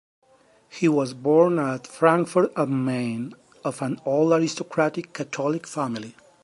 He was born at Frankfurt am Main, of an old aristocratic Catholic family.